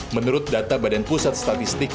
menurut data badan pusat statistik